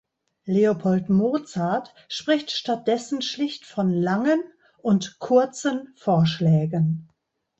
Leopold Mozart spricht stattdessen schlicht von „langen“ und „kurzen“ Vorschlägen.